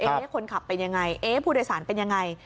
คนขับเป็นยังไงเอ๊ะผู้โดยสารเป็นยังไง